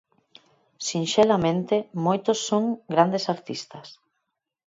Sinxelamente, moitos son grandes artistas.